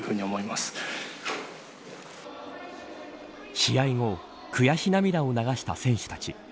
試合後悔し涙を流した選手たち。